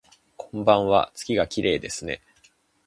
こんばんわ、月がきれいですね